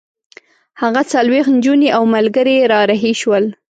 هغه څلوېښت نجونې او ملګري را رهي شول.